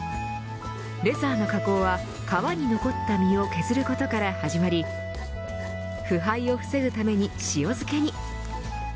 レザーの加工は皮に残った身を削ることから始まり腐敗を防ぐために塩漬けに。